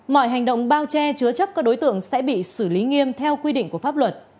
mọi hành động bao che chứa chấp các đối tượng sẽ bị xử lý nghiêm theo quy định của pháp luật